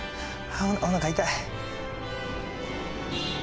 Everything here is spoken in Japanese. おなか痛い。